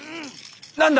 何だ？